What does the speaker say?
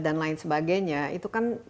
dan lain sebagainya itu kan